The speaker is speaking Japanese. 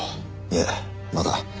いえまだ。